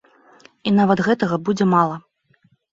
І нават гэтага будзе мала.